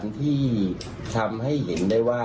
กะเบลุคทหารที่ทรามให้เห็นได้ว่า